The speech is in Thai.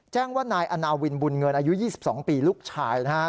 แจ้งว่านายอาณาวินบุญเงินอายุ๒๒ปีลูกชายนะฮะ